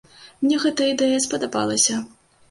Мне гэта ідэя спадабалася.